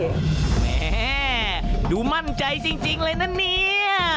แม่ดูมั่นใจจริงเลยนะเนี่ย